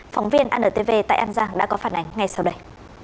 phóng viên antv tại an giang đã có phản ánh ngay sau đây